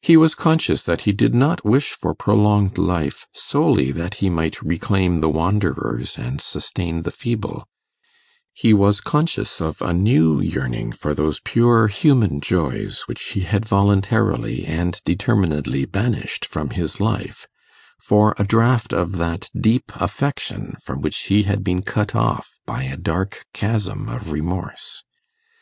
He was conscious that he did not wish for prolonged life solely that he might reclaim the wanderers and sustain the feeble: he was conscious of a new yearning for those pure human joys which he had voluntarily and determinedly banished from his life for a draught of that deep affection from which he had been cut off by a dark chasm of remorse.